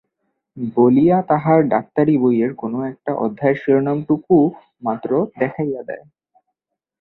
বলিয়া তাহার ডাক্তারি বইয়ের কোনো-একটা অধ্যায়ের শিরোনামটুকু মাত্র দেখাইয়া দেয়।